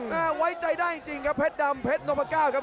ไว้ใจได้จริงครับเพชรดำเพชรนมก้าวครับ